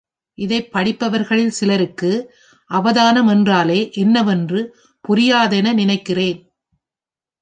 இதைப் படிப்பவர்களில் சிலருக்கு அவதானம் என்றாலே என்னவென்று புரியாதென நினைக்கிறேன்.